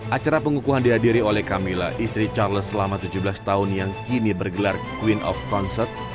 acara pengukuhan dihadiri oleh camilla istri charles selama tujuh belas tahun yang kini bergelar queen of concert